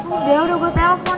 udah udah gue telpon